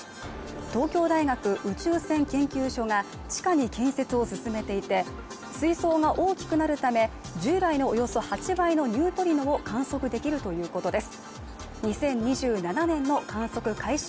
東京大学宇宙線研究所が地下に建設を進めていて水槽が大きくなるため従来のおよそ８倍のニュートリノを観測できるということです